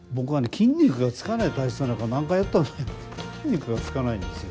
筋肉がつかない体質なのか何回やっても筋肉がつかないんですよ。